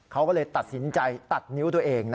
เขาก็เลยตัดสินใจตัดนิ้วตัวเอง